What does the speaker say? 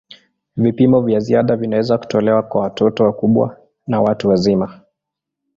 Vipimo vya ziada vinaweza kutolewa kwa watoto wakubwa na watu wazima.